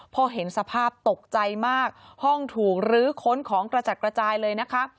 พอเห็นสภาพตกใจมากห้องถูกลื้อค้นของกระจัดกระจายเลยนะคะ